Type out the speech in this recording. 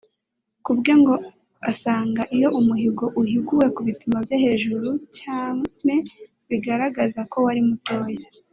Ku bwe ngo asanga iyo umuhigo uhiguwe ku bipimo byo hejuru cyane bigaragaza ko wari mutoya